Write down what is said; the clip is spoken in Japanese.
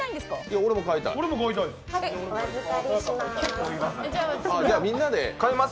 俺も買いたいです。